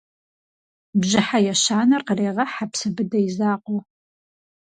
Бжьыхьэ ещанэр къырегъэхьэ Псэбыдэ и закъуэу.